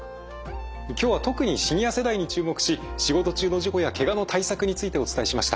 今日は特にシニア世代に注目し仕事中の事故やケガの対策についてお伝えしました。